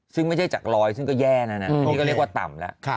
ซึ่งไม่ใช่จากรอยซึ่งก็แย่แล้วนะอันนี้ก็เรียกว่าต่ำแล้ว